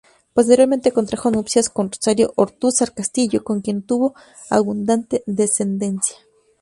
Posteriormente contrajo nupcias con Rosario Ortúzar Castillo, con quien tuvo abundante descendencia.